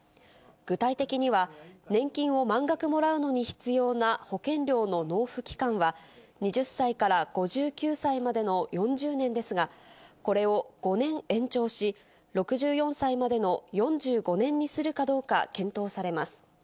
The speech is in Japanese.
具体的には、年金を満額もらうのに必要な保険料の納付期間は、２０歳から５９歳までの４０年ですが、これを５年延長し、６４歳までの４５年にするかどうか検討されます。